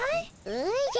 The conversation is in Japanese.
おじゃ。